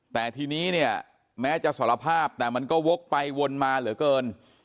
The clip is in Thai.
แต่ทีนี้เนี่ยแม้จะสารภาพแต่มันก็วกไปวนมาเหลือเกิน